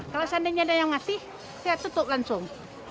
kalau seandainya ada yang masih saya tutup langsung